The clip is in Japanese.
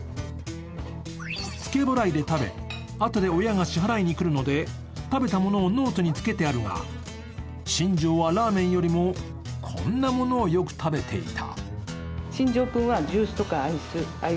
付け払いで食べ、あとで親が支払いに来るので食べたものをノートにつけてあるが、新庄はラーメンよりもこんなものをよく食べていた。